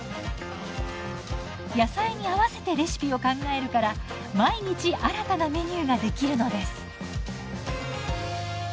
野菜に合わせてレシピを考えるから毎日新たなメニューができるのです。